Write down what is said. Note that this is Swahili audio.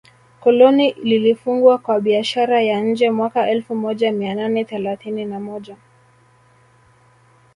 Koloni lilifunguliwa kwa biashara ya nje mwaka elfu moja mia nane thelathini na moja